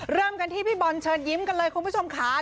เริ่มกันที่พี่บอลเชิญยิ้มกันเลยคุณผู้ชมค่ะ